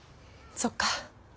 そっか。